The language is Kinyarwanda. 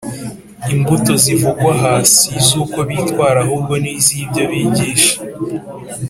Imbuto zivugwa aha si iz'uko bitwara ahubwo ni iz'ibyo bigisha